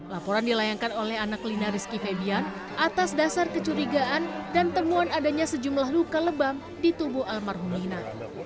laporan dilayangkan oleh anak lina rizky febian atas dasar kecurigaan dan temuan adanya sejumlah luka lebam di tubuh almarhum lina